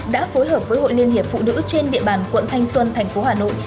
đã phối hợp với hội liên hiệp phụ nữ trên địa bàn quận thanh xuân thành phố hà nội